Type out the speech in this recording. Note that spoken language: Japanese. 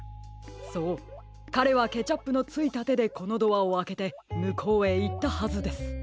そうかれはケチャップのついたてでこのドアをあけてむこうへいったはずです。